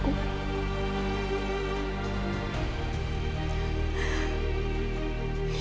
kecemburuanku telah menutup mata hatiku